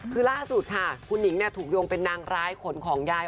คือล่าสุดค่ะคุณหนิงถูกโยงเป็นนางร้ายขนของยาย